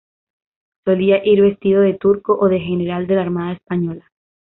Solía ir vestido de turco o de general de la armada española.